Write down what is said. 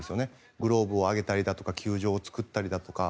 グローブをあげたり球場を造ったりだとか。